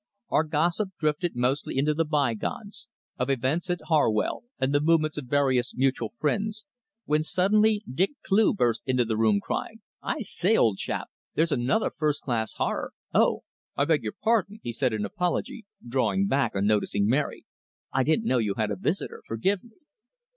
Our gossip drifted mostly into the bygones of events at Harwell, and the movements of various mutual friends, when suddenly Dick Cleugh burst into the room crying "I say, old chap, there's another first class horror! Oh! I beg your pardon," he said in apology, drawing back on noticing Mary. "I didn't know you had a visitor; forgive me."